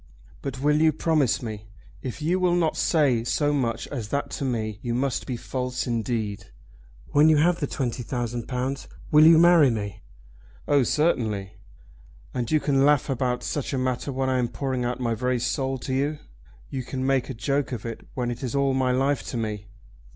"But will you promise me? If you will not say so much as that to me you must be false indeed. When you have the twenty thousand pounds will you marry me?" "Oh, certainly." "And you can laugh about such a matter when I am pouring out my very soul to you? You can make a joke of it when it is all my life to me!